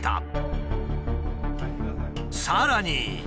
さらに。